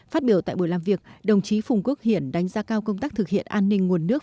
phát biểu tại buổi làm việc đồng chí phùng quốc hiển đánh giá cao công tác thực hiện an ninh nguồn nước